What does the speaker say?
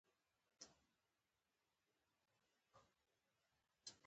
له منځه يوسې اول قدم کې ژبه ترې واخلئ.